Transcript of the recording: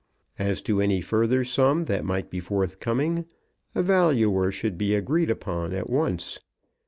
As to any further sum that might be forthcoming, a valuer should be agreed upon at once.